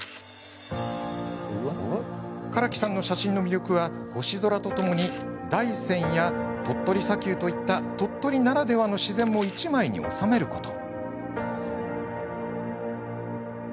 柄木さんの写真の魅力は星空とともに大山や砂丘といった鳥取ならではの自然も１枚に収めること。